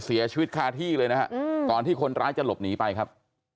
เสียชีวิตคาที่เลยนะฮะก่อนที่คนร้ายจะหลบหนีไปครับ